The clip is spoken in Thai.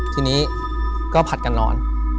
ทีนี้ก็ผัดกันนอน